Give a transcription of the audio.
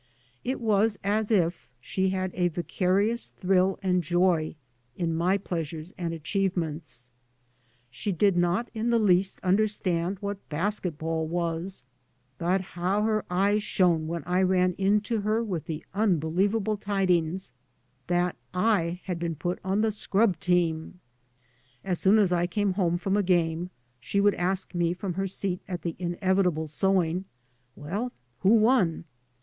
It was as if she had a vicarious thrill and joy in my pleasures and achievements. She did not in the least understand what basket ball was, but how her eyes shone when I ran in to her with the unbelievable tidings that I had been put on the scrub team I As soon as I came home from a game she would ask me from her seat at the inevitable sewing, "Well, who won?"